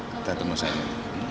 kita tunggu saja